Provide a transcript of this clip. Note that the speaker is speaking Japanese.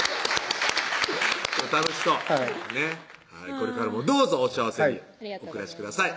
楽しそうねっこれからもどうぞお幸せにお暮らしください